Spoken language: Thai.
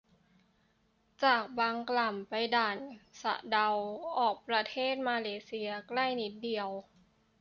จากบางกล่ำ ไปด่านสะเดา ออกประเทศมาเลเซียใกล้นิดเดียว